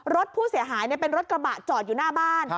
รถผู้เสียหายเป็นรถกระบะจอดอยู่หน้าบ้าน